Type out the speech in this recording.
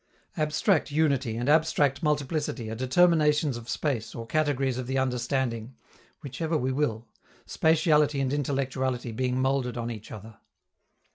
Abstract unity and abstract multiplicity are determinations of space or categories of the understanding, whichever we will, spatiality and intellectuality being molded on each other.